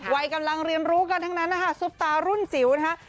วัยกำลังเรียนรู้กันทั้งนั้นนะคะซุปตารุ่นจิ๋วนะคะ